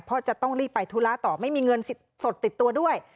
เพราะจะต้องรีบไปธุระต่อไม่มีเงินสดติดตัวด้วย